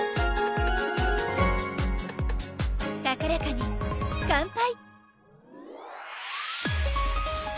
高らかに乾杯！